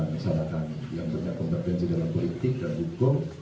melaksanakan yang punya kompetensi dalam politik dan hukum